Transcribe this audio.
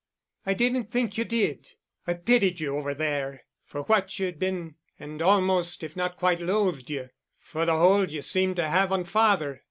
"I didn't think you did—I pitied you—over there—for what you had been and almost if not quite loathed you, for the hold you seemed to have on father.